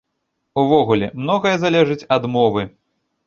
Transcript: Увогуле, многае залежыць ад мовы.